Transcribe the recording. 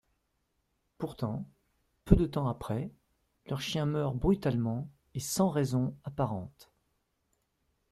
Pourtant, peu de temps après, leur chien meurt brutalement et sans raison apparente.